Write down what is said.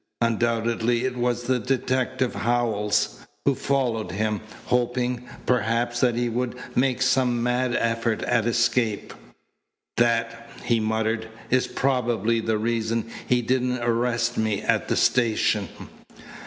Undoubtedly it was the detective, Howells, who followed him, hoping, perhaps, that he would make some mad effort at escape. "That," he muttered, "is probably the reason he didn't arrest me at the station."